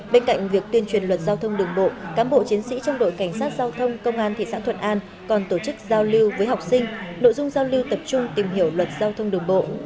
bên cạnh việc tuyên truyền luật giao thông đường bộ cám bộ chiến sĩ trong đội cảnh sát giao thông công an thị xã thuận an còn tổ chức giao lưu với học sinh nội dung giao lưu tập trung tìm hiểu luật giao thông đường bộ